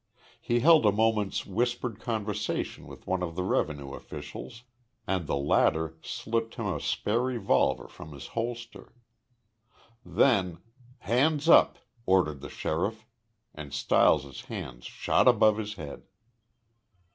He held a moment's whispered conversation with one of the revenue officials and the latter slipped him a spare revolver from his holster. Then "Hands up!" ordered the sheriff, and Stiles's hands shot above his head.